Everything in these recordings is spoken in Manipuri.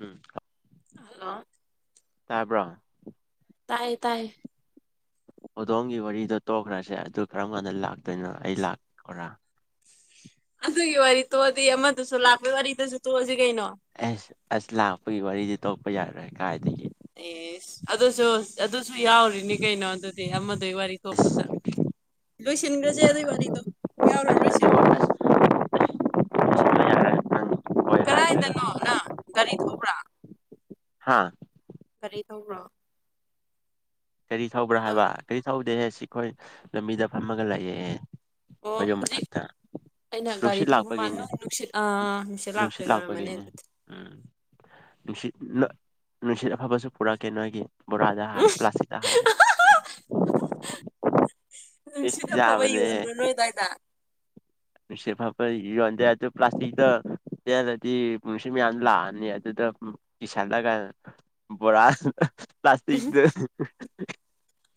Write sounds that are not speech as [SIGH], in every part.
ꯎꯝ ꯍꯜꯂꯣ ꯇꯥꯕ꯭ꯔꯣ ꯇꯥꯏꯌꯦ ꯇꯥꯏꯌꯦ ꯍꯧꯗꯣꯝꯒꯤ ꯋꯥꯔꯤꯗꯣ ꯇꯣꯛꯈ꯭ꯔꯁꯦ ꯑꯗꯨ ꯀꯔꯝ ꯀꯥꯟꯗ ꯂꯥꯛꯇꯣꯏꯅꯣ ꯑꯩ ꯂꯥꯛꯑꯣꯔꯥ ꯑꯗꯨꯒꯤ ꯋꯥꯔꯤ ꯇꯣꯛꯑꯗꯤ ꯑꯃꯗꯨꯁꯨ ꯂꯥꯛꯄꯩ ꯋꯥꯔꯤꯗꯨꯁꯨ ꯇꯣꯛꯑꯁꯤ ꯀꯩꯅꯣ ꯑꯦꯁ ꯑꯁ ꯂꯥꯛꯄꯒꯤ ꯋꯥꯔꯤꯗꯤ ꯇꯣꯛꯄ ꯌꯥꯔꯣꯏ ꯀꯥꯏꯗꯒꯤ ꯑꯦꯁ ꯑꯗꯨꯁꯨ ꯑꯗꯨꯁꯨ ꯌꯥꯎꯔꯤꯅꯤ ꯀꯩꯅꯣ ꯑꯗꯨꯗꯤ ꯑꯃꯗꯨꯏ ꯋꯥꯔꯤ ꯑꯁ ꯇꯣꯛꯄꯗ ꯂꯣꯏꯁꯤꯟꯈ꯭ꯔꯖꯦ ꯑꯗꯨꯏ ꯋꯥꯔꯤꯗꯣ ꯌꯥꯎꯔꯔꯣꯏꯁꯤ ꯀꯔꯥꯏꯗꯅꯣ ꯅꯪ ꯒꯥꯔꯤ ꯊꯧꯕ꯭ꯔꯥ ꯍꯥꯥ ꯒꯥꯔꯤ ꯊꯧꯕ꯭ꯔꯣ ꯒꯥꯔꯤ ꯊꯧꯕ꯭ꯔꯥ ꯍꯥꯏꯕ ꯒꯥꯔꯤ ꯊꯧꯗꯦꯍꯦ ꯁꯤꯈꯣꯏ ꯂꯝꯕꯤꯗ ꯐꯝꯃꯒ ꯂꯩꯥꯌꯦꯍꯦ ꯈꯣꯢ ꯑꯣ ꯌꯨꯝ ꯍꯧꯖꯤꯛ ꯃꯊꯛꯇ ꯑꯩꯅ ꯒꯥꯔꯤ ꯅꯨꯡꯁꯤꯠ ꯊꯧꯕ ꯃꯥꯟ ꯂꯥꯛꯄꯒꯤꯅꯤ ꯅꯣꯏ ꯅꯨꯡꯁꯤꯠ ꯑꯥ ꯅꯨꯡꯁꯤꯠ ꯂꯥꯛꯄꯒꯤ ꯑꯣꯏꯔꯝꯃꯅꯤ ꯑꯗꯨꯗꯤ ꯎꯝ ꯅꯨꯡꯁꯤꯠ ꯅꯣ ꯅꯨꯡꯁꯤꯠ ꯑꯐꯕꯁꯨ ꯄꯨꯔꯛꯀꯦ ꯅꯣꯏꯒꯤ ꯕꯣꯔꯥꯗ ꯍꯥꯜ ꯎꯝ ꯄ꯭ꯂꯥꯁꯇꯤꯛꯇ ꯍꯥꯜꯂꯒ ꯏꯁ ꯅꯨꯡꯁꯤꯠ ꯑꯐꯕ ꯌꯥꯕꯅꯦꯍꯦ ꯌꯣꯟꯕ꯭ꯔꯣ ꯅꯣꯏ ꯑꯗꯥꯏꯗ ꯅꯨꯡꯁꯤꯠ ꯑꯐꯕ ꯌꯣꯟꯗꯦ ꯑꯗꯨ ꯄ꯭ꯂꯥꯁꯇꯤꯛꯗ ꯇꯦꯜꯂꯗꯤ ꯅꯨꯡꯁꯤꯠ ꯃꯌꯥꯝꯖꯨ ꯂꯥꯛꯑꯅꯤ ꯑꯗꯨꯗ ꯎꯝ ꯀꯤꯁꯜꯂꯒ ꯕꯣꯔꯥꯥ ꯄ꯭ꯂꯥꯁꯇꯤꯛꯇ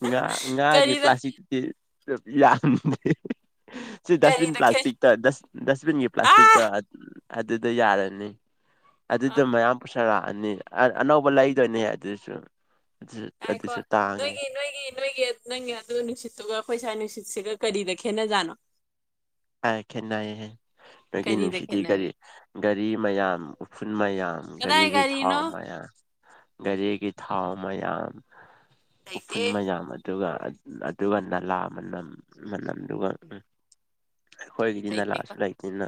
ꯉꯥ ꯉꯥꯒꯤ ꯀꯔꯤꯗ ꯄ꯭ꯂꯥꯁꯇꯤꯛꯇꯗꯤ ꯌꯥꯝꯗꯦ ꯁꯤ ꯗꯁꯕꯤꯟ ꯀꯔꯤꯗ ꯄ꯭ꯂꯥꯁ ꯈꯦ ꯇ ꯗꯁ ꯗꯁꯕꯤꯟꯒꯤ ꯑꯥ ꯄ꯭ꯂꯥꯁꯇꯤꯛꯇ ꯑꯗꯨꯗ ꯌꯥꯔꯅꯤ ꯑꯥ ꯑꯗꯨꯗ ꯃꯌꯥꯝ ꯎꯁꯥꯂꯥꯛꯑꯅꯤ ꯑꯥ ꯑꯅꯧꯕ ꯂꯩꯗꯣꯏꯅꯦ ꯑꯗꯨꯁꯨ ꯉꯥꯢꯀꯣ ꯑꯗꯨꯁꯨ ꯇꯥꯡꯉꯦ ꯅꯣꯏꯒꯤ ꯅꯣꯏꯒꯤ ꯅꯣꯏꯒꯤ ꯅꯪꯒꯤ ꯑꯗꯨ ꯅꯨꯡꯁꯤꯠꯇꯨꯒ ꯑꯩꯈꯣꯏ ꯁ꯭ꯋꯥꯏ ꯅꯨꯡꯁꯤꯠꯁꯤꯒ ꯀꯔꯤꯗ ꯈꯦꯠꯅꯖꯥꯅꯣ ꯑꯥꯏ ꯈꯦꯠꯅꯩꯍꯦ ꯅꯣꯏꯒꯤ ꯀꯔꯤꯗ ꯅꯨꯡꯁꯤꯠꯇꯤ ꯒꯥꯔꯤ ꯈꯦꯠꯅꯒꯦ ꯒꯥꯔꯤ ꯃꯌꯥꯝ ꯎꯐꯨꯜ ꯃꯌꯥꯝ ꯀꯗꯥꯏ ꯒꯔꯤꯒꯤ ꯊꯥꯎ ꯒꯥꯔꯤꯅꯣ ꯃꯌꯥꯝ ꯒꯥꯔꯤꯒꯤ ꯊꯥꯎ ꯃꯌꯥꯝ ꯂꯩꯇꯦ ꯎꯐꯨꯜ ꯃꯌꯥꯝ ꯑꯗ ꯑꯗꯨꯒ ꯑꯗ ꯑꯗꯨꯒ ꯅꯂꯥ ꯃꯅꯝ ꯃꯅꯝꯗꯨꯒ ꯎꯝ ꯑꯩꯈꯣꯏꯒꯤꯗꯤ ꯂꯩꯇꯦꯀꯣ ꯅꯂꯥꯁꯨ ꯂꯩꯇꯦꯅ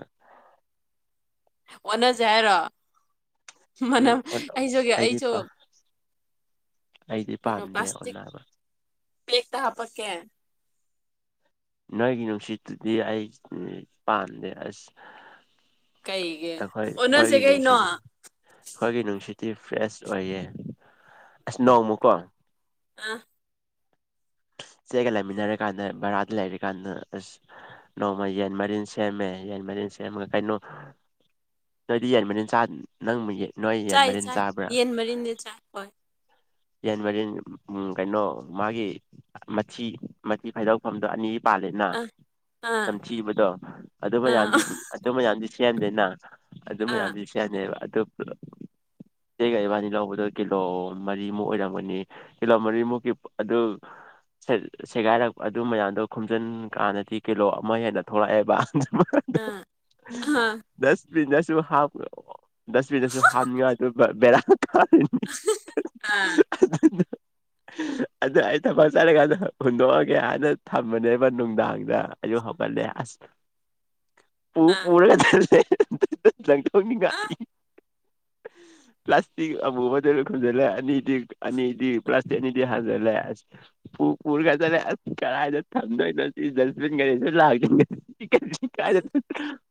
ꯑꯣꯟꯅꯖꯦ ꯍꯥꯏꯔꯣ ꯎꯝ ꯃꯅꯥꯝ ꯑꯩꯁꯨꯒꯦ ꯑꯩꯗꯤ ꯑꯩꯁꯨ ꯑꯩꯗꯤ ꯄꯥꯝꯗꯦ ꯑꯣꯟꯅꯕ ꯄ꯭ꯂꯦꯛꯇ ꯍꯥꯞꯄꯛꯀꯦ ꯅꯣꯏꯒꯤ ꯅꯨꯡꯁꯤꯠꯇꯨꯗꯤ ꯑꯩ ꯄꯥꯝꯗꯦ ꯑꯁ ꯀꯩꯒꯤ ꯑꯈꯣꯏ ꯑꯣꯟꯅꯁꯦ ꯑꯈꯣꯏꯒꯤ ꯀꯩꯅꯣ ꯅꯨꯡꯁꯤꯠ ꯑꯥ ꯑꯈꯣꯏꯒꯤ ꯅꯨꯡꯁꯤꯠꯇꯤ ꯐ꯭ꯔꯦꯁ ꯑꯣꯏꯌꯦ ꯑꯁ ꯅꯣꯡꯃꯀꯣ ꯑꯥ ꯆꯦꯒ ꯂꯩꯃꯤꯟꯅꯔꯀꯥꯟꯗ ꯕꯔꯥꯗ ꯂꯥꯢꯔꯤꯛ ꯀꯥꯟꯗ ꯑꯁ ꯅꯣꯡꯃ ꯌꯦꯟ ꯃꯔꯤꯟ ꯁꯦꯝꯃꯦ ꯌꯦꯟ ꯃꯔꯤꯟ ꯁꯦꯝꯃꯒ ꯀꯩꯅꯣ ꯅꯣꯏꯗꯤ ꯌꯦꯟ ꯃꯔꯤꯟ ꯆꯥ ꯅꯪꯃ ꯅꯣꯏ ꯌꯦꯟ ꯆꯥꯏ ꯃꯔꯤꯟ ꯆꯥꯏ ꯆꯥꯕ꯭ꯔꯥ ꯌꯦꯟ ꯃꯔꯤꯟꯗꯤ ꯆꯥꯏ ꯍꯣꯏ ꯌꯦꯟ ꯃꯔꯤꯟ ꯎꯝ ꯀꯩꯅꯣ ꯃꯥꯒꯤ ꯃꯊꯤ ꯃꯊꯤ ꯐꯥꯏꯗꯣꯛꯐꯝꯗꯣ ꯑꯅꯤ ꯄꯥꯜꯂꯦꯗꯅꯥ ꯑꯥ ꯑꯥ ꯅꯝꯊꯤꯕꯗꯣ ꯑꯗꯨ ꯑꯥ ꯃꯌꯥꯝꯗꯤ ꯑꯗꯨ ꯃꯌꯥꯝꯗꯤ ꯁꯦꯝꯗꯦꯅꯥ ꯑꯗꯨ ꯑꯥ ꯃꯌꯥꯝꯗꯤ ꯁꯦꯝꯗꯦꯕ ꯑꯗꯨ ꯄꯨꯜꯂꯞ ꯏꯆꯦꯒ ꯏꯕꯥꯅꯤ ꯂꯧꯕꯗꯣ ꯀꯤꯂꯣ ꯃꯔꯤꯃꯨꯛ ꯑꯣꯏꯔꯝꯒꯅꯤ ꯀꯤꯂꯣ ꯃꯔꯤꯃꯨꯛꯀꯤ ꯑꯗꯨ ꯁꯦ ꯁꯦꯒꯥꯏꯔꯞ ꯑꯗꯨ ꯃꯌꯥꯝꯗꯣ ꯈꯣꯝꯖꯟ ꯀꯥꯟꯗꯗꯤ ꯀꯤꯂꯣ ꯑꯃ ꯍꯦꯟꯅ ꯊꯣꯛꯂꯛꯑꯦꯕ ꯑꯥ [UNINTELLIGIBLE] ꯑꯥ ꯗꯁꯕꯤꯟꯗꯁꯨ ꯍꯥꯞ ꯗꯁꯕꯤꯟꯗꯁꯨ ꯍꯥꯞꯅꯤꯡꯉꯥꯏꯗꯨ ꯕ ꯕꯦꯔꯥ ꯀꯥꯔꯤꯅꯤ ꯑꯥ [UNINTELLIGIBLE] ꯑꯗꯨ ꯑꯩ ꯊꯕꯛ ꯆꯠꯂꯤꯀꯥꯟꯗ ꯍꯨꯟꯗꯣꯛꯑꯒꯦ ꯑꯥꯗ ꯊꯝꯕꯅꯦꯕ ꯅꯨꯡꯗꯥꯡꯗ ꯑꯩꯌꯨꯛ ꯍꯧꯒꯠꯂꯦ ꯑꯁ ꯄꯨ ꯑꯥ ꯄꯨꯔꯒ ꯆꯠꯂꯦ ꯑꯥ ꯂꯪꯊꯣꯛꯅꯤꯡꯉꯥꯏ [INAUDIBLE] ꯄ꯭ꯂꯥꯁꯇꯤꯛ ꯑꯃꯨꯕꯗꯨꯅ ꯈꯨꯝꯖꯜꯂꯦ ꯑꯅꯤꯗꯤ ꯑꯅꯤꯗꯤ ꯄ꯭ꯂꯥꯁꯇꯤꯛ ꯑꯅꯤꯗꯤ ꯍꯥꯟꯖꯜꯂꯦ ꯑꯁ ꯄꯨ ꯄꯨꯔꯒ ꯆꯥꯠꯂꯦ ꯑꯁ ꯀꯔꯥꯏꯗ ꯊꯝꯗꯣꯏꯅꯣ ꯁꯤ ꯗꯁꯕꯤꯟ ꯒꯥꯔꯤꯗꯣ ꯂꯥꯛꯇꯦ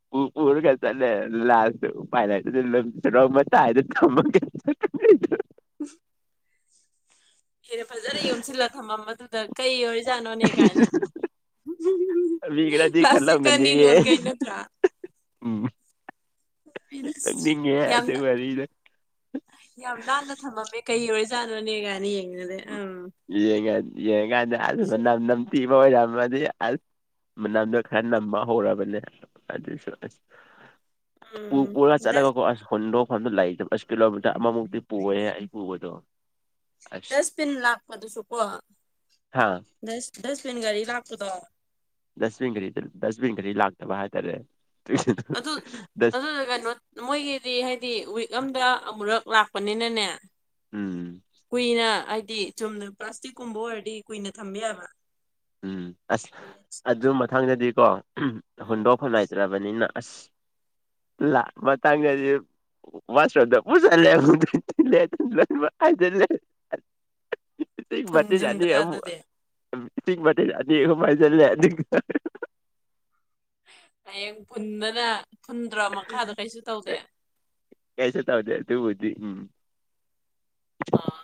[UNINTELLIGIBLE] ꯄꯨ ꯄꯨꯔꯒ ꯆꯠꯂꯦ ꯂꯥꯁꯇ ꯎꯄꯥꯏ ꯂꯩꯔꯛꯇ꯭ꯔꯗꯤ ꯂꯪꯊꯣꯛꯔ ꯃꯇꯥꯏꯗ ꯊꯝꯃ [UNINTELLIGIBLE] [UNINTELLIGIBLE] ꯈꯦꯔ ꯐꯖꯅ ꯌꯣꯝꯁꯤꯜꯂ ꯊꯝꯃꯝꯕꯗꯨꯗ ꯀꯩ ꯑꯣꯏꯔꯖꯥꯠꯅꯣꯅꯦ ꯀꯥꯏꯅ ꯃꯤ [UNINTELLIGIBLE] ꯈꯔꯗꯤ ꯄ꯭ꯂꯁꯇꯤꯛ ꯑꯅꯤ ꯈꯜꯂꯝꯒꯅꯤꯌꯦ ꯂꯣꯟꯒꯩ ꯅꯠꯇ꯭ꯔꯥ ꯎꯝ ꯑꯩꯅ ꯑꯁ ꯅꯣꯛꯅꯤꯡꯉꯦꯍꯦ ꯑꯗꯨ ꯌꯥꯝꯅ ꯋꯥꯔꯤꯗꯣ ꯌꯥꯝ ꯅꯥꯟꯅ ꯊꯥꯝꯃꯝꯃꯦ ꯀꯩ ꯑꯣꯏꯔꯖꯥꯠꯅꯣꯅꯦ ꯒꯥꯏꯅ ꯌꯦꯡꯅꯗꯣꯏ ꯑꯝ ꯌꯦꯡꯉ ꯌꯦꯡꯉꯀꯥꯟꯗ ꯑꯁ ꯃꯅꯝ ꯅꯝꯊꯤꯕ ꯑꯣꯏꯔꯝꯃꯗꯤ ꯑꯁ ꯃꯅꯝꯗꯣ ꯈꯔ ꯅꯝꯕ ꯍꯧꯔꯕꯅꯦ ꯑꯗꯨꯁꯨ ꯑꯁ ꯎꯝ ꯄꯨ ꯄꯨꯔ ꯗꯁ ꯆꯠꯂꯒꯀꯣ ꯑꯁ ꯍꯨꯟꯗꯣꯛꯐꯝꯗꯣ ꯂꯩꯇꯕ ꯑꯁ ꯀꯤꯂꯣꯃꯤꯇꯔ ꯑꯃꯃꯨꯛꯇꯤ ꯄꯨꯋꯦ ꯑꯩ ꯄꯨꯕꯗꯣ ꯑꯁ ꯗꯁꯄꯤꯟ ꯂꯥꯛꯄꯗꯨꯁꯨ ꯀꯣ ꯍꯥꯥ ꯗꯁ ꯗꯁꯄꯤꯟ ꯒꯥꯔꯤ ꯂꯥꯛꯄꯗꯣ ꯗꯁꯕꯤꯟ ꯒꯥꯔꯤꯗ ꯗꯁꯕꯤꯟ ꯒꯥꯔꯤ ꯂꯥꯛꯇꯕ ꯍꯥꯏꯇꯥꯔꯦ ꯗꯨꯏ ꯑꯗꯨ [UNINTELLIGIBLE] ꯗꯁ ꯑꯗꯨꯗ ꯀꯩꯅꯣ ꯃꯣꯏꯒꯤꯗꯤ ꯍꯥꯏꯗꯤ ꯋꯤꯛ ꯑꯝꯗ ꯑꯃꯨꯔꯛ ꯂꯥꯛꯄꯅꯤꯅꯅꯦ ꯎꯝ ꯀꯨꯏꯅ ꯍꯥꯏꯗꯤ ꯆꯨꯝꯅ ꯄ꯭ꯂꯥꯁꯇꯤꯛꯀꯨꯝꯕ ꯑꯣꯏꯔꯗꯤ ꯀꯨꯏꯅ ꯊꯝꯕ ꯌꯥꯕ ꯎꯝ ꯑꯁ ꯎꯝ ꯑꯗꯨ ꯃꯊꯪꯗꯗꯤꯀꯣ ꯎꯝ ꯍꯨꯟꯗꯣꯛꯐꯝ ꯂꯩꯏꯇ꯭ꯔꯕꯅꯤꯅ ꯑꯁ ꯂꯥꯞ ꯃꯇꯥꯡꯗꯖꯨ ꯋꯥꯏꯔꯨꯝꯗ ꯄꯨꯁꯜꯂꯦ [UNINTELLIGIBLE] ꯏꯁꯤꯡ ꯕꯥꯔꯇꯤꯟ ꯑꯅꯤ ꯐꯨꯟꯖꯤꯟꯗ꯭ꯔꯥ ꯑꯃꯨꯛ ꯑꯗꯨꯗꯤ ꯏꯁꯤꯡ ꯕꯥꯔꯇꯤꯟ ꯑꯅꯤ ꯑꯍꯨꯝ ꯍꯩꯖꯜꯂꯦ ꯑꯗꯨꯒ [UNINTELLIGIBLE] ꯍꯌꯦꯡ ꯐꯨꯟꯗꯅ ꯐꯨꯟꯗ꯭ꯔꯥ ꯃꯈꯥꯗꯣ ꯀꯩꯁꯨ ꯇꯧꯗꯦ ꯀꯩꯁꯨ ꯇꯧꯗꯦ ꯑꯗꯨꯕꯨꯗꯤ ꯎꯝ ꯑꯥ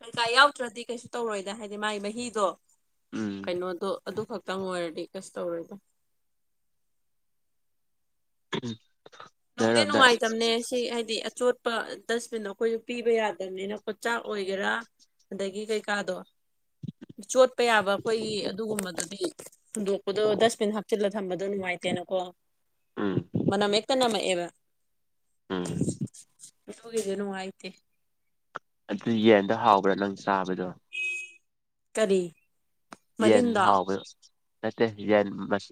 [UNINTELLIGIBLE] ꯌꯥꯎꯗ꯭ꯔꯗꯤ ꯀꯩꯁꯨ ꯇꯧꯔꯣꯏꯗ ꯍꯥꯏꯗꯤ ꯃꯥꯒꯤ ꯃꯍꯤꯗꯣ ꯎꯝ ꯀꯩꯅꯣꯗꯣ ꯑꯗꯨ ꯈꯛꯇꯪ ꯑꯣꯏꯔꯗꯤ ꯀꯩꯁꯨ ꯇꯧꯔꯣꯏꯗ ꯑꯍꯝ ꯅꯨꯡꯗꯤ ꯅꯨꯡꯉꯥꯏꯇꯕꯅꯦ [UNINTELLIGIBLE] ꯁꯤ ꯍꯥꯏꯗꯤ ꯑꯆꯣꯠꯄ ꯗꯁꯕꯤꯟ ꯑꯩꯈꯣꯢꯖꯨ ꯄꯤꯕ ꯌꯥꯗꯝꯅꯤꯅꯀꯣ ꯆꯥꯛ ꯑꯣꯏꯒꯦꯔꯥ ꯑꯗꯒꯤ ꯀꯩꯀꯥꯗꯣ ꯆꯣꯠꯄ ꯌꯥꯕ ꯑꯩꯈꯣꯏꯒꯤ ꯑꯗꯨꯒꯨꯝꯕꯗꯨꯗꯤ ꯍꯨꯟꯗꯣꯛꯄꯗꯣ ꯗꯁꯕꯤꯟ ꯍꯥꯞꯆꯤꯜꯂ ꯊꯝꯕꯗꯣ ꯅꯨꯡꯉꯥꯏꯇꯦꯅꯀꯣ ꯎꯝ ꯃꯅꯝ ꯍꯦꯛ ꯇ ꯅꯝꯃꯛꯑꯦꯕ ꯎꯝ [UNINTELLIGIBLE] ꯅꯨꯡꯉꯥꯢꯇꯦ ꯑꯗꯨ ꯌꯦꯟꯗꯣ ꯍꯥꯎꯕ꯭ꯔꯥ ꯅꯪ ꯆꯥꯕꯗꯣ ꯀꯔꯤ ꯌꯦꯟ ꯃꯔꯤꯟꯗꯣ ꯍꯥꯎꯕꯔ ꯅꯠꯇꯦ ꯌꯦꯟ ꯃꯁ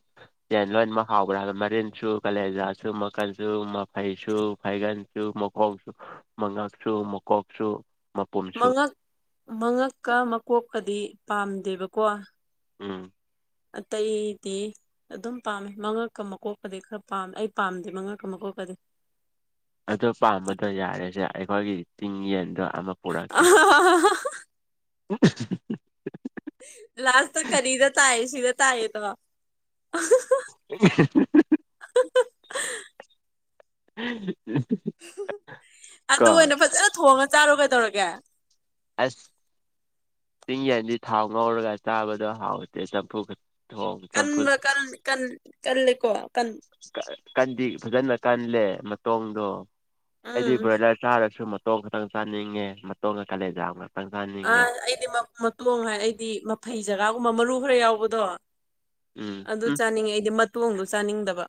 ꯌꯦꯟ ꯂꯣꯏꯅꯃꯛ ꯍꯥꯎꯕ꯭ꯔꯥ ꯍꯥꯕ ꯃꯔꯤꯟꯖꯨ ꯀꯥꯂꯦꯖꯥꯖꯨ ꯃꯀꯟꯖꯨ ꯃꯐꯩꯖꯨ ꯐꯥꯢꯒꯟ ꯖꯨ ꯃꯀꯣꯛ ꯃꯉꯛꯁꯨ ꯃꯀꯣꯛꯁꯨ ꯃꯄꯨꯝꯁꯨ ꯃꯉꯛ ꯃꯉꯛꯀ ꯃꯀꯣꯛꯀꯗꯤ ꯄꯥꯝꯗꯦꯕꯀꯣ ꯎꯝ ꯑꯥꯇꯩꯗꯤ ꯑꯗꯨꯝ ꯄꯥꯝꯃꯦ ꯃꯉꯛꯀ ꯃꯀꯣꯛꯀꯗꯤ ꯈꯔ ꯄꯥꯝ ꯑꯩ ꯄꯥꯝꯗꯦ ꯃꯉꯛꯀ ꯃꯀꯣꯛꯀꯗꯤ ꯑꯗꯨ ꯄꯥꯝꯕꯗꯣ ꯌꯥꯔꯦꯁꯦ ꯑꯩꯈꯣꯏꯒꯤ ꯆꯤꯡ ꯌꯦꯟꯗꯣ ꯑꯃꯥ ꯄꯨꯔꯛꯀꯦ [UNINTELLIGIBLE] ꯂꯥꯁꯇ ꯀꯔꯤꯗ ꯇꯥꯏ ꯁꯤꯗ ꯇꯥꯏ ꯗꯣ [UNINTELLIGIBLE] [UNINTELLIGIBLE] [UNINTELLIGIBLE] ꯑꯗꯨ ꯀꯣ ꯑꯣꯏꯅ ꯐꯖꯟ ꯊꯣꯡꯉ ꯆꯥꯔꯣ ꯀꯩꯗꯧꯔꯒꯦ ꯑꯁ ꯆꯤꯡ ꯌꯦꯟꯗꯤ ꯊꯥꯎ ꯉꯧꯔꯒ ꯆꯥꯕꯗꯣ ꯍꯥꯎꯇꯦꯗ ꯄꯨꯛ ꯀꯟꯕ ꯀꯜ ꯀꯜ ꯀꯜꯂꯦꯀꯣ ꯀꯟ ꯀꯥ ꯀꯟꯗꯤ ꯐꯖꯅ ꯀꯟꯂꯦ ꯃꯇꯣꯡꯗꯣ ꯎꯝ ꯑꯩꯗꯤ ꯕ꯭ꯔꯣꯏꯂꯔ ꯆꯥꯔꯁꯨ ꯇꯣꯡ ꯈꯛꯇꯪ ꯆꯥꯅꯤꯡꯉꯦ ꯃꯇꯣꯡꯒ ꯀꯥꯂꯦꯟꯖꯥꯒ ꯑꯥ ꯑꯩꯗꯤ ꯃꯥ ꯃꯇꯣꯡ ꯍꯥꯏ ꯑꯩꯗꯤ ꯃꯐꯩ ꯖꯒꯥꯒꯨꯝꯕ ꯃꯔꯨ ꯈꯔ ꯌꯥꯎꯕꯗꯣ ꯎꯝ ꯑꯗꯨ ꯎꯝ ꯆꯥꯅꯤꯡꯉꯦ ꯑꯩꯗꯤ ꯃꯇꯣꯡꯗꯣ ꯆꯥꯅꯤꯡꯗꯕ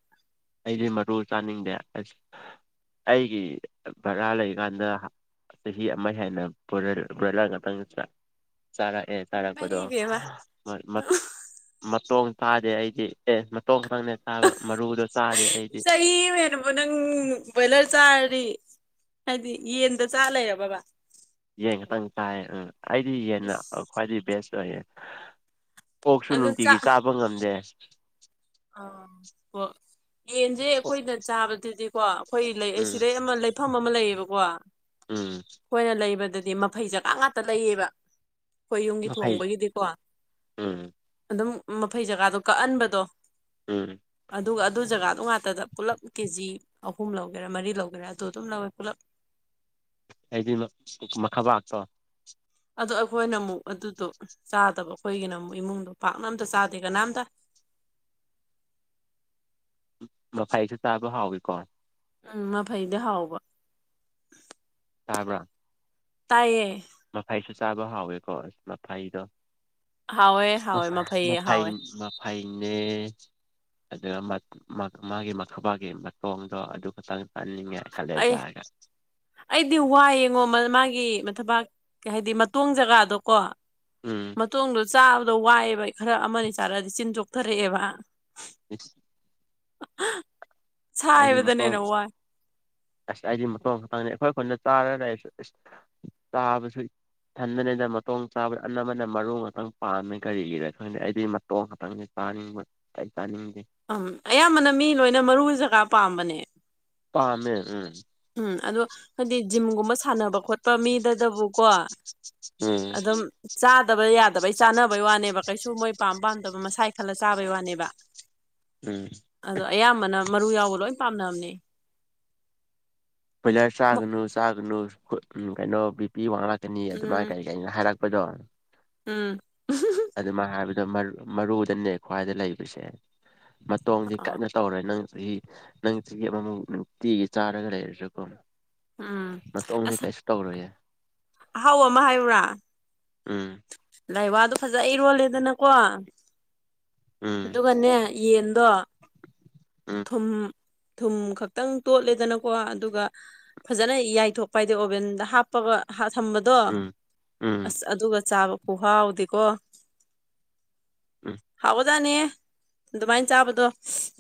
ꯑꯩꯗꯤ ꯃꯔꯨ ꯆꯥꯅꯤꯡꯗꯦ ꯑꯁ ꯑꯩꯒꯤ ꯕꯥꯔꯥ ꯂꯩꯀꯥꯟꯗ ꯆꯍꯤ ꯑꯃ ꯍꯦꯟꯅ [UNINTELLIGIBLE] ꯕ꯭ꯔꯣꯏꯂꯔ ꯉꯛꯇꯪ ꯆꯥ ꯆꯥꯔꯦ ꯑꯦ ꯃꯩ ꯇꯥꯔꯛꯄꯗꯣ ꯏꯕꯦꯝꯃ ꯍꯣꯢ ꯃꯥ ꯃꯇꯣꯡ ꯇꯥꯗꯦ ꯑꯩꯗꯤ ꯑꯦ ꯃꯇꯣꯡ ꯈꯛꯇꯪꯅꯦ ꯆꯥꯕ ꯃꯔꯨꯗꯣ ꯆꯥꯗꯦ ꯑꯩꯗꯤ [UNINTELLIGIBLE] ꯅꯪ ꯕꯣꯏꯂꯔ ꯆꯥꯔꯗꯤ ꯍꯥꯏꯗꯤ ꯌꯦꯟꯗ ꯆꯥ ꯂꯩꯔꯕꯕꯥ ꯌꯦꯟ ꯈꯇꯪ ꯆꯥꯏ ꯑꯪ ꯑꯩꯗꯤ ꯌꯦꯟꯅ ꯏꯁ ꯑꯥ ꯈ꯭ꯋꯥꯏꯗꯒꯤ ꯕꯦꯁ ꯑꯣꯏꯌꯦ ꯑꯣꯛꯁꯨ ꯑꯗꯨ ꯅꯨꯡꯇꯤꯒꯤ ꯆꯥꯛ ꯆꯥꯕ ꯉꯝꯗꯦ ꯑꯥ ꯍꯣ ꯌꯦꯟꯁꯦ ꯑꯩꯈꯣꯏꯅ ꯆꯥꯕꯗꯨꯗꯤꯀꯣ ꯑꯩꯈꯣꯏ ꯂꯩ ꯑꯥ ꯎꯝ ꯁꯤꯗꯩ ꯑꯃ ꯂꯩ ꯃꯐꯝ ꯑꯃ ꯂꯩꯌꯦꯕꯀꯣ ꯎꯝ ꯈꯣꯏꯅ ꯂꯩꯕꯗꯗꯤ ꯃꯐꯩ ꯖꯒꯥ ꯉꯥꯛꯇ ꯂꯩꯌꯦꯕ ꯈꯣꯏ ꯌꯨꯝꯒꯤ ꯃꯐꯩ ꯊꯣꯡꯕꯒꯤꯗꯤꯀꯣ ꯎꯝ ꯑꯗꯨꯝ ꯃꯐꯩ ꯖꯒꯥꯗꯣ ꯀꯛꯑꯟꯕꯗꯣ ꯎꯝ ꯑꯗꯨꯒ ꯑꯗꯨ ꯖꯒꯥꯗꯣ ꯉꯥꯛꯇꯗ ꯄꯨꯂꯞ ꯀꯦꯖꯤ ꯑꯍꯨꯝ ꯂꯧꯒꯦꯔꯥ ꯃꯔꯤ ꯂꯧꯒꯦꯔꯥ ꯑꯗꯨ ꯑꯗꯨꯝ ꯂꯧꯋꯦ ꯄꯨꯂꯞ ꯑꯩꯗꯤ ꯃꯥ ꯃꯈꯕꯥꯛꯇꯣ ꯑꯗꯣ ꯑꯩꯈꯣꯏꯅ ꯑꯃꯨꯛ ꯑꯗꯨꯗꯣ ꯆꯥꯗꯕ ꯑꯩꯈꯣꯏꯒꯤꯅ ꯑꯃꯨꯛ ꯏꯃꯨꯡꯗꯣ ꯄꯥꯛꯅ ꯑꯝꯇ ꯆꯥꯗꯦ ꯀꯅꯥꯝꯇ꯫ ꯃꯐꯩꯁꯨ ꯆꯥꯕ ꯍꯥꯎꯋꯤꯀꯣ꯫ ꯎꯝ ꯃꯐꯩꯗꯤ ꯍꯥꯎꯕ꯫ ꯇꯥꯕ꯭ꯔꯥ꯫ ꯇꯥꯏꯌꯦ꯫ ꯃꯐꯩꯁꯨ ꯆꯥꯕ ꯍꯥꯎꯋꯦꯀꯣ ꯑꯁ ꯃꯐꯩꯗꯣ꯫ ꯍꯥꯎꯋꯦ ꯎꯝ ꯍꯥꯎꯋꯦ ꯃꯐꯩ ꯍꯥꯎꯋꯦ ꯃꯐꯩꯅꯦ ꯑꯗꯨꯒ ꯃ ꯃꯥ ꯃꯥꯒꯤ ꯃꯊꯕꯥꯛꯒꯤ ꯃꯇꯣꯡꯗꯣ ꯑꯗꯨ ꯈꯛꯇꯪ ꯆꯥꯅꯤꯡꯉꯦ ꯑꯩ ꯀꯂꯦꯖꯥꯒ꯫ ꯑꯩꯗꯤ ꯋꯥꯏꯌꯦꯉꯣ ꯃ-ꯃꯥꯒꯤ ꯃꯊꯕꯥꯛ ꯀꯩ ꯍꯥꯏꯗꯤ ꯃꯇꯣꯡ ꯖꯒꯥꯗꯣꯀꯣ꯫ ꯎꯝ ꯃꯇꯣꯡꯗꯣ ꯆꯥꯕꯗ ꯋꯥꯏꯌꯦꯕ ꯈꯔ ꯑꯃ ꯑꯅꯤ ꯆꯥꯔꯛꯑꯗꯤ ꯆꯤꯟ ꯆꯣꯛꯊꯔꯛꯑꯦꯕ꯫ ꯏꯁ꯫ ꯑꯩꯗꯤ ꯁꯥꯏꯕꯗꯅ ꯃꯇꯣꯡ ꯍꯦꯟꯅ ꯋꯥꯏ ꯑꯁ ꯑꯩꯗꯤ ꯃꯇꯣꯡ ꯈꯛꯇꯪꯅꯦ ꯑꯩꯈꯣꯏ ꯈꯨꯟꯗ ꯆꯥꯔꯒ ꯂꯩꯕꯁꯨ ꯑꯁ ꯆꯥꯕꯁꯦ ꯏꯊꯟꯗꯅꯦꯗ ꯃꯇꯣꯡ ꯆꯥꯕ ꯑꯅꯝꯕꯅ ꯃꯔꯨ ꯉꯥꯛꯇꯪ ꯄꯥꯝꯃꯦ ꯀꯔꯤꯒꯤꯔ ꯈꯪꯗꯤ ꯑꯩꯗꯤ ꯃꯇꯣꯡ ꯈꯥꯛꯇꯪꯅꯦ꯫ ꯆꯥꯅꯤꯡꯕ ꯑꯩ ꯆꯥꯅꯤꯡꯗꯦ꯫ ꯑꯝ ꯑꯌꯥꯝꯕꯅ ꯃꯤ ꯂꯣꯏꯅ ꯃꯔꯨꯒꯤ ꯖꯒꯥ ꯄꯥꯝꯕꯅꯦ꯫ ꯄꯥꯝꯃꯦ ꯎꯝ꯫ ꯎꯝ ꯑꯗꯣ ꯍꯥꯏꯗꯤ ꯖꯤꯝꯒꯨꯝꯕ ꯁꯥꯟꯅꯕ ꯈꯣꯠꯄ ꯃꯤꯗꯗꯕꯨꯀꯣ꯫ ꯎꯝ ꯑꯗꯨꯝ ꯆꯥꯗꯕ ꯌꯥꯗꯕꯩ ꯆꯥꯅꯕꯩ ꯋꯥꯅꯦꯕ ꯀꯩꯁꯨ ꯃꯣꯏ ꯄꯥꯝ ꯄꯥꯝꯗꯕ ꯃꯁꯥ ꯈꯜꯂ ꯆꯥꯕꯩ ꯋꯥꯅꯦꯕ꯫ [UNINTELLIGIBLE] ꯎꯝ꯫ ꯑꯗꯣ ꯑꯌꯥꯝꯕꯅ ꯃꯔꯨ ꯌꯥꯎꯕ ꯂꯣꯏ ꯄꯥꯝꯅꯕꯅꯦ꯫ ꯕꯣꯏꯂꯔ ꯆꯥꯒꯅꯨ ꯆꯥꯒꯅꯨ ꯈꯨ ꯎꯝ ꯀꯩꯅꯣ ꯕꯤ ꯄꯤ ꯋꯥꯡꯂꯛꯀꯅꯤ ꯑꯗꯨꯃꯥꯏ ꯎꯝ ꯀꯔꯤ ꯀꯩ ꯍꯥꯏꯔꯛꯄꯗꯣ꯫ ꯎꯝ꯫ ꯑꯗꯨꯃꯥꯏ ꯍꯥꯏꯕꯗꯣ ꯃꯔ-ꯃꯔꯨꯗꯅꯦ ꯈ꯭ꯋꯥꯏꯗ ꯂꯩꯕꯁꯦ꯫ ꯃꯇꯣꯡꯗꯤ ꯑ ꯀꯦꯝꯇ ꯇꯧꯔꯣꯏ ꯅꯪ ꯆꯍꯤ ꯅꯪ ꯆꯍꯤ ꯑꯃꯃꯨꯛ ꯅꯨꯡꯇꯤꯒꯤ ꯆꯥꯔꯒ ꯂꯩꯔꯁꯨ꯫ ꯎꯝ꯫ ꯃꯇꯣꯡꯗꯤ ꯑꯁ ꯀꯩꯁꯨ ꯇꯧꯔꯣꯏꯌꯦ꯫ ꯑꯍꯥꯎꯕ ꯑꯃ ꯍꯥꯏꯌꯨꯔꯥ꯫ ꯎꯝ꯫ ꯂꯥꯏꯋꯥꯗꯣ ꯐꯖ ꯏꯔꯣꯜꯂꯦꯗꯅꯀꯣ꯫ ꯎꯝ ꯑꯗꯨꯒꯅꯦ ꯌꯦꯟꯗꯣ꯫ ꯎꯝ ꯊꯨꯝ ꯊꯨꯝ ꯈꯛꯇꯪ ꯇꯣꯠꯂꯦꯗꯅꯀꯣ ꯑꯗꯨꯒ ꯐꯖꯅ ꯌꯥꯏꯊꯣꯛꯄ ꯍꯥꯏꯗꯤ ꯑꯣꯚꯦꯟꯗ ꯍꯥꯞ ꯍꯥꯞꯄꯒ ꯍꯥ ꯊꯝꯕꯗꯣ ꯎꯝ ꯎꯝ ꯑꯁ ꯑꯗꯨꯒ ꯆꯥꯕ ꯈꯨꯍꯥꯎꯗꯤꯀꯣ ꯎꯝ ꯍꯥꯎꯒ ꯖꯥꯅꯤꯍꯦ ꯑꯗꯨꯃꯥꯏꯅ ꯆꯥꯕꯗꯣ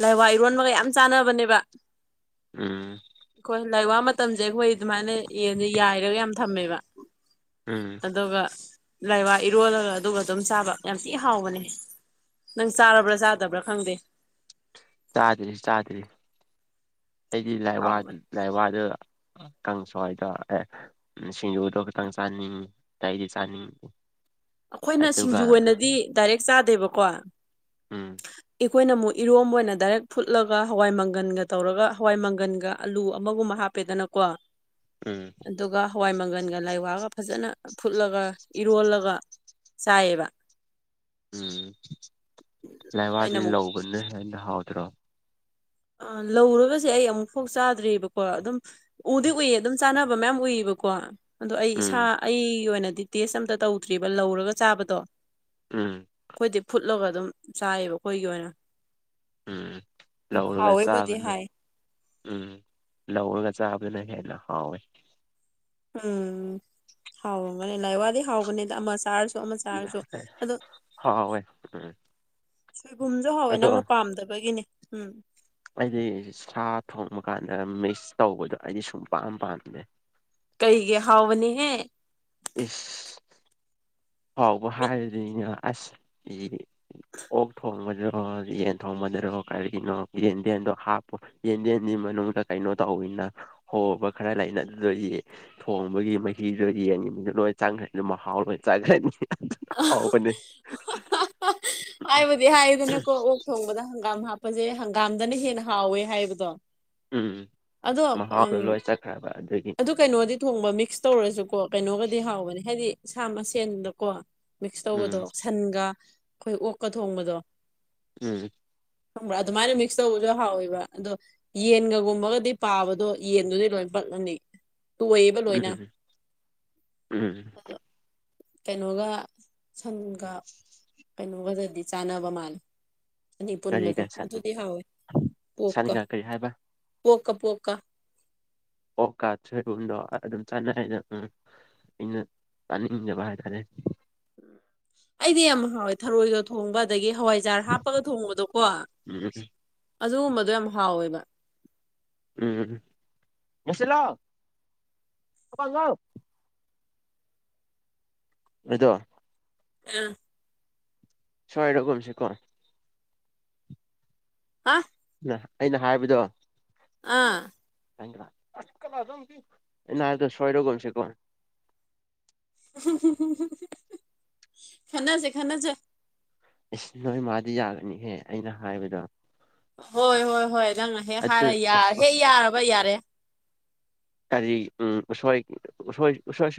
ꯂꯥꯏꯋꯥ ꯏꯔꯣꯟꯕꯒ ꯌꯥꯝ ꯆꯥꯟꯅꯕꯅꯦꯕ꯫ ꯎꯝ꯫ ꯈꯣꯏ ꯂꯥꯏꯋꯥ ꯃꯇꯝꯁꯦ ꯑꯩꯈꯣꯏ ꯑꯗꯨꯃꯥꯏꯅ ꯌꯦꯟꯁꯦ ꯌꯥꯏꯔꯒ ꯌꯥꯝ ꯊꯝꯃꯦꯕ꯫ ꯎꯝ꯫ ꯑꯗꯨꯒ ꯂꯥꯏꯋꯥ ꯏꯔꯣꯜꯂꯒ ꯑꯗꯨꯒ ꯑꯗꯨꯝ ꯆꯥꯕ ꯌꯥꯝ ꯊꯤ ꯍꯥꯎꯕꯅꯦ꯫ ꯅꯪ ꯆꯥꯔꯕ꯭ꯔꯥ ꯆꯥꯗꯕ꯭ꯔꯥ ꯈꯪꯗꯦ꯫ ꯆꯥꯗ꯭ꯔꯤ ꯆꯥꯗ꯭ꯔꯤ ꯑꯩꯗꯤ ꯂꯥꯏꯋꯥ ꯍꯥꯎꯕꯅꯦ ꯂꯥꯏꯋꯥꯗꯨ ꯀꯥꯡꯁꯣꯏꯗꯣ ꯑꯦ ꯁꯤꯡꯖꯨꯗꯣ ꯈꯤꯇꯪ ꯆꯥꯅꯤꯡꯉꯤ ꯑꯇꯩꯗꯤ ꯆꯥꯅꯤꯡ ꯑꯩꯈꯣꯏꯅ ꯑꯗꯨꯒ ꯁꯤꯡꯖꯨ ꯑꯣꯏꯅꯗꯤ ꯗꯥꯏꯔꯦꯛ ꯆꯥꯗꯦꯕꯀꯣ ꯎꯝ ꯑꯩꯈꯣꯏꯅ ꯑꯃꯨꯛ ꯏꯔꯣꯝꯕ ꯑꯣꯏꯅ ꯗꯥꯏꯔꯦꯛ ꯐꯨꯠꯂꯒ ꯍꯋꯥꯏ ꯃꯪꯒꯟꯒ ꯇꯧꯔꯒ ꯍꯋꯥꯏ ꯃꯪꯒꯟꯒ ꯑꯂꯨ ꯑꯃꯒꯨꯝꯕ ꯍꯥꯞ ꯄꯦꯗꯅꯀꯣ ꯎꯝ ꯑꯗꯨꯒ ꯍꯋꯥꯏ ꯃꯪꯒꯟꯒ ꯂꯥꯏꯋꯥꯒ ꯐꯖꯅ ꯐꯨꯠꯂꯒ ꯏꯔꯣꯜꯂꯒ ꯆꯥꯏꯌꯦꯕ ꯎꯝ ꯅꯣꯏꯅ ꯂꯥꯏꯋꯥꯗꯤ ꯑꯃꯨꯛ ꯂꯧꯕꯅ ꯍꯦꯟꯅ ꯍꯥꯎꯗ꯭ꯔꯣ ꯑꯥ ꯂꯧꯔꯒꯁꯦ ꯑꯩ ꯑꯃꯨꯛ ꯐꯥꯎ ꯆꯥꯗ꯭ꯔꯤꯕꯀꯣ ꯑꯗꯨꯝ ꯎꯗꯤ ꯎꯏꯌꯦ ꯑꯗꯨꯝ ꯆꯥꯟꯅꯕ ꯃꯌꯥꯝ ꯎꯏꯌꯦꯕꯀꯣ ꯑꯗꯣ ꯑꯩ ꯏꯁꯥ ꯎꯝ ꯑꯩꯒꯤ ꯑꯣꯏꯅꯗꯤ ꯇꯦꯁ ꯑꯝꯇ ꯇꯧꯗ꯭ꯔꯤꯕ ꯂꯧꯔꯒ ꯆꯥꯕꯗꯣ ꯎꯝ ꯈꯣꯏꯗꯤ ꯐꯨꯠꯂꯒ ꯑꯗꯨꯝ ꯆꯥꯏꯑꯦꯕ ꯈꯣꯏꯒꯤ ꯑꯣꯏꯅ ꯎꯝ ꯑꯗꯨ ꯂꯧꯔꯒ ꯍꯥꯎꯋꯦꯕꯨꯗꯤ ꯆꯥꯕꯅ ꯍꯥꯏ ꯎꯝ ꯂꯧꯔꯒ ꯆꯥꯕꯗꯨꯅ ꯍꯦꯟꯅ ꯍꯥꯎꯌꯦ ꯎꯝ ꯍꯥꯎꯔꯝꯒꯅꯤ ꯂꯥꯏꯋꯥꯗꯤ ꯍꯥꯎꯕꯅꯤꯗ ꯑꯃ ꯆꯥꯔꯁꯨ ꯑꯃ ꯆꯥꯔꯁꯨ ꯑꯗꯣ ꯍꯥꯎꯋꯦ ꯎꯝ ꯁꯣꯏꯕꯨꯝꯁꯨ ꯍꯥꯎꯋꯦ ꯑꯗꯣ ꯅꯪꯅ ꯄꯥꯝꯗꯕꯒꯤꯅꯤ ꯎꯝ ꯑꯩꯗꯤ ꯁꯥ ꯊꯣꯡꯕ ꯀꯥꯟꯗ ꯃꯤꯛꯁ ꯇꯧꯕꯗꯣ ꯑꯩꯗꯤ ꯁꯨꯡ ꯄꯥꯝ ꯄꯥꯝꯗꯦ ꯀꯩꯒꯤ ꯍꯥꯎꯕꯅꯤꯍꯦ ꯏꯁ ꯍꯥꯎꯕ ꯍꯥꯏꯔꯗꯤꯅ ꯑꯁ ꯏ ꯑꯣꯛ ꯊꯣꯡꯕꯗꯔꯣ ꯌꯦꯟ ꯊꯣꯡꯕꯗꯔꯣ ꯀꯔꯤꯒꯤꯅꯣ ꯌꯦꯟꯗꯦꯝꯗꯣ ꯍꯥꯞꯄꯣ ꯌꯦꯟꯗꯦꯝꯒꯤ ꯃꯅꯨꯡꯗ ꯀꯩꯅꯣ ꯇꯧꯋꯤꯅ ꯍꯣꯕ ꯈꯔ ꯂꯩꯅ ꯑꯗꯨꯗꯒꯤ ꯊꯣꯡꯕꯒꯤ ꯃꯍꯤꯗꯨ ꯌꯦꯟꯗ ꯂꯣꯏ ꯆꯪꯈ꯭ꯔꯗꯤ ꯃꯍꯥꯎ ꯂꯩ ꯑꯗꯨꯅ ꯍꯥꯎꯕꯅꯦ ꯍꯥꯏꯕꯗꯤ ꯍꯥꯏꯗꯅꯀꯣ ꯑꯣꯛ ꯊꯣꯡꯕꯗ ꯍꯪꯒꯥꯝ ꯍꯥꯞꯄꯁꯦ ꯍꯪꯒꯥꯝꯗꯅ ꯍꯦꯟꯅ ꯍꯥꯎꯋꯦ ꯍꯥꯏꯕꯗꯣ ꯎꯝ ꯑꯗꯣ ꯃꯍꯥꯎꯗꯣ ꯎꯝ ꯂꯣꯏ ꯆꯠꯈ꯭ꯔꯕ ꯑꯗꯨꯒꯤ ꯑꯗꯨ ꯀꯩꯅꯣꯗꯤ ꯊꯣꯡꯕ ꯃꯤꯛꯁ ꯇꯧꯔꯁꯨꯀꯣ ꯀꯩꯅꯣꯒꯗꯤ ꯍꯥꯎꯕꯅꯦ ꯍꯥꯏꯗꯤ ꯁꯥ ꯃꯁꯦꯟꯗꯀꯣ ꯃꯤꯛꯁ ꯎꯝ ꯇꯧꯕꯗꯣ ꯁꯟꯒ ꯑꯩꯈꯣꯏ ꯑꯣꯛꯀ ꯊꯣꯡꯕꯗꯣ ꯎꯝ ꯈꯪꯕ꯭ꯔ ꯑꯗꯨꯃꯥꯏꯅ ꯃꯤꯛꯁ ꯇꯧꯕꯁꯨ ꯍꯥꯎꯋꯦꯕ ꯑꯗꯣ ꯌꯦꯟꯒꯒꯨꯝꯕꯒꯗꯤ ꯄꯥꯕꯗꯣ ꯌꯦꯟꯗꯨꯗꯤ ꯂꯣꯏ ꯄꯠꯂꯅꯤ ꯇꯣꯏꯌꯦꯕ ꯂꯣꯏꯅ ꯎꯝ ꯎꯝ ꯀꯩꯅꯣꯒ ꯁꯟꯒ ꯀꯩꯅꯣꯒꯗꯗꯤ ꯆꯥꯟꯅꯕ ꯃꯥꯜꯂꯦ ꯑꯅꯤ ꯄꯨꯟꯕꯗꯣ ꯀꯔꯤꯒ ꯁꯟ ꯑꯗꯨꯗꯤ ꯍꯥꯎꯋꯦ ꯄꯣꯛꯀ ꯁꯟꯒ ꯀꯔꯤ ꯍꯥꯏꯕ ꯄꯣꯛꯀ ꯄꯣꯛꯀ ꯑꯣꯛꯀ ꯁꯣꯏꯕꯨꯝꯗꯣ ꯑꯗꯨꯝ ꯆꯥꯟꯅꯩꯅ ꯎꯝ ꯑꯩꯅ ꯆꯥꯅꯤꯡꯗꯕ ꯍꯥꯏꯇꯥꯔꯦ ꯑꯩꯗꯤ ꯌꯥꯝ ꯍꯥꯎꯋꯦ ꯊꯔꯣꯏꯒ ꯊꯣꯡꯕ ꯑꯗꯒꯤ ꯍꯋꯥꯏ ꯍꯋꯥꯏꯖꯥꯔ ꯍꯥꯞꯄꯒ ꯊꯣꯡꯕꯗꯣꯀꯣ ꯎꯝ ꯑꯗꯨꯒꯨꯝꯕꯗꯣ ꯌꯥꯝ ꯍꯥꯎꯋꯦꯕ ꯎꯝ ꯂꯣꯏꯁꯤꯜꯂꯣ ꯊꯣꯡ ꯍꯥꯡꯉꯣ ꯑꯩꯗꯣ ꯑ ꯁꯣꯏꯔꯒꯨꯝꯁꯦꯀꯣ ꯍꯥ ꯑꯩꯅ ꯍꯥꯏꯕꯗꯣ ꯑꯥ ꯑꯩꯅ ꯍꯥꯢꯕꯗꯣ ꯁꯣꯏꯔꯒꯨꯝꯁꯦꯀꯣ ꯈꯟꯅꯖꯦ ꯈꯟꯅꯖꯦ ꯏꯁ ꯅꯣꯏ ꯃꯥꯗꯤ ꯌꯥꯒꯅꯤꯍꯦ ꯑꯩꯅ ꯍꯥꯏꯕꯗ ꯍꯣꯏ ꯍꯣꯏ ꯍꯣꯏ ꯅꯪꯅ ꯍꯦꯛ ꯑꯗꯨ ꯍꯥꯏꯔ ꯌꯥ ꯍꯦꯛ ꯌꯥꯔꯕ ꯌꯥꯔꯦ ꯀꯔꯤ ꯎꯝ ꯎꯁꯣꯏ ꯎꯁꯣꯏ ꯎꯁꯣꯢꯁꯨ